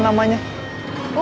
yang lain gak ada